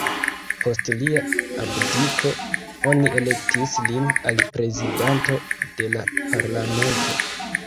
Post lia abdiko, oni elektis lin al prezidanto de la parlamento.